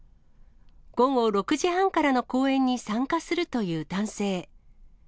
午後６時半からの公演に参加するという男性。